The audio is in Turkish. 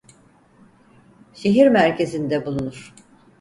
Şehir merkezinde bulunur.